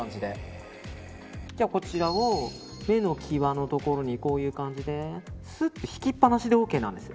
こちらを目の際のところにこういう感じですっと引きっぱなしでＯＫなんです。